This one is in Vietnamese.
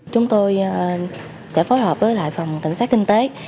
chúng tôi sẽ phối hợp với lại phòng cảnh sát kinh tế